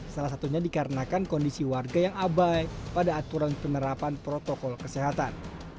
salah satunya dikarenakan kondisi warga yang abai pada aturan penerapan protokol kesehatan